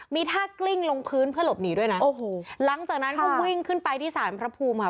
มีท่ากลิ้งลงพื้นเพื่อหลบหนีด้วยนะโอ้โหหลังจากนั้นก็วิ่งขึ้นไปที่สารพระภูมิค่ะ